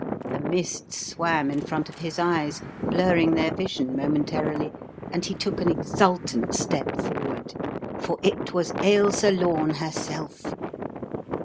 A mist swam in front of his eyes, blurring their vision momentarily, and he took an exultant step forward. For it was Ailsa Lome herself.